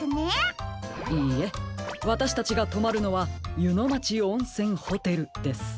いいえわたしたちがとまるのはゆのまちおんせんホテルです。